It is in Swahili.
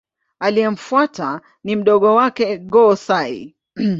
Aliyemfuata ni mdogo wake Go-Sai.